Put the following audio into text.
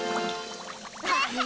ハハハハ！